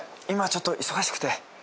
今ちょっと忙しくて。